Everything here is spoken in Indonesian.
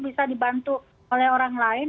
bisa dibantu oleh orang lain